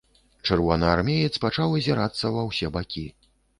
Чырвонаармеец пачаў азірацца ва ўсе бакі.